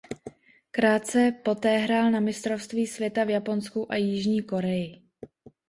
Krátce poté hrál na mistrovství světa v Japonsku a Jižní Koreji.